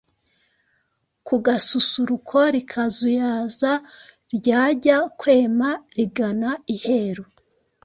Ku gasusuruko rikazuyaza Ryajya kwema rigana iheru